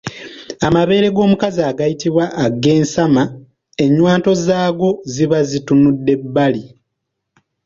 Amabeere g’omukazi agayitibwa ag’ensama ennywanto zaago ziba zitunudde bbali.